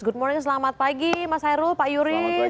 good morning selamat pagi mas hairul pak yuris